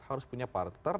harus punya partner